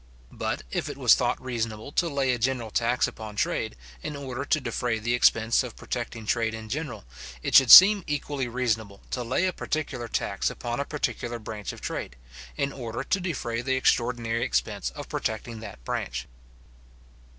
But, if it was thought reasonable to lay a general tax upon trade, in order to defray the expense of protecting trade in general, it should seem equally reasonable to lay a particular tax upon a particular branch of trade, in order to defray the extraordinary expense of protecting that branch.